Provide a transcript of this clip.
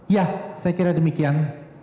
ya saya kira demikian